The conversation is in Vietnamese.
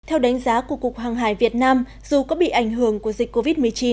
theo đánh giá của cục hàng hải việt nam dù có bị ảnh hưởng của dịch covid một mươi chín